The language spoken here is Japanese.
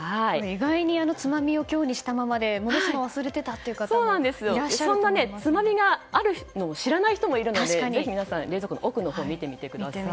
意外につまみを強にしたままで戻すのを忘れてたっていう方もそんなつまみがあることを知らない人もいるのでぜひ皆さん冷蔵庫の奥のほう見てみてください。